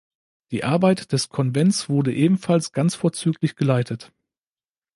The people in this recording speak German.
Die Arbeit des Konvents wurde ebenfalls ganz vorzüglich geleitet.